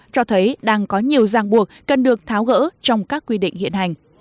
cho thấy đang có nhiều giang buộc cần được tháo gỡ trong các quy định hiện hành